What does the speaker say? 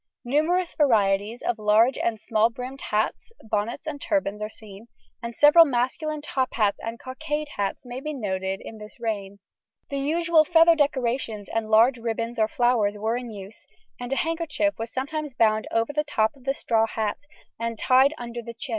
Numerous varieties of large and small brimmed hats, bonnets, and turbans are seen, and several masculine top hats and cockade hats may be noted late in this reign. The usual feather decorations and large ribbons or flowers were in use, and a handkerchief was sometimes bound over the top of the straw hat and tied under the chin.